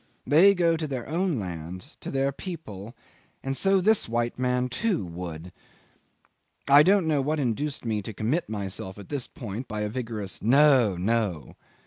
They go to their own land, to their people, and so this white man too would. ... I don't know what induced me to commit myself at this point by a vigorous "No, no."